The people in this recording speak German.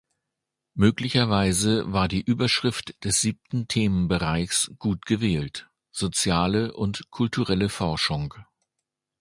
Möglicherweise war die Überschrift des siebten Themenbereichs gut gewählt: soziale und kulturelle Forschung.